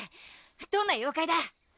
どんな妖怪だ？